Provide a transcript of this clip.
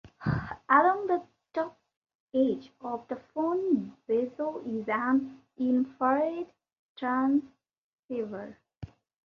Along the top edge of the phone bezel is an infrared transceiver.